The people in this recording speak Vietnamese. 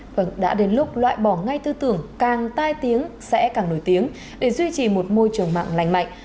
vâng đã đến lúc loại bỏ ngay tư tưởng càng tai tiếng sẽ càng nổi tiếng để duy trì một môi trường mạng lành mạnh